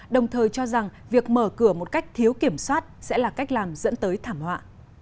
đồng thời cho rằng việc mở cửa một cách thiếu kiểm soát sẽ là cách làm dẫn tới thảm họa